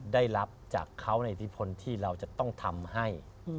ได้รับจากเขาในอิทธิพลที่เราจะต้องทำให้